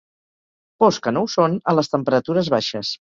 Pors que no ho són a les temperatures baixes.